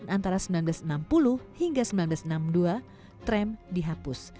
antara seribu sembilan ratus enam puluh hingga seribu sembilan ratus enam puluh dua tram dihapus